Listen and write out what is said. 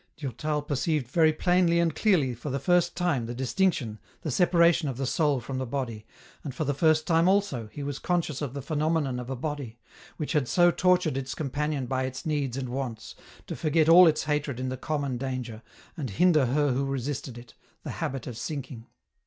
Durtal perceived very plainly and clearly for the first time the distinction, the separation of the soul from the body, and for the first time also, he was conscious of the phenomenon of a body, which had so tortured its companion by its needs and wants, to forget all its hatred in the common danger, and hinder her who resisted it, the habit of sinking.